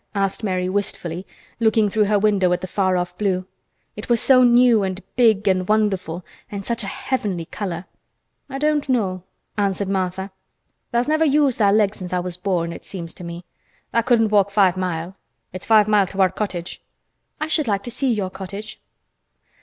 asked Mary wistfully, looking through her window at the far off blue. It was so new and big and wonderful and such a heavenly color. "I don't know," answered Martha. "Tha's never used tha' legs since tha' was born, it seems to me. Tha' couldn't walk five mile. It's five mile to our cottage." "I should like to see your cottage."